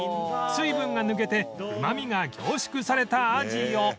水分が抜けてうまみが凝縮されたアジを